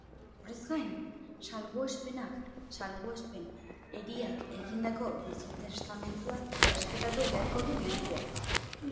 Horrez gain, salbuespenak salbuespen, eriak egindako bizi-testamentua errespetatu beharko du medikuak.